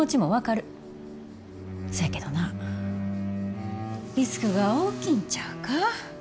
そやけどなリスクが大きいんちゃうか？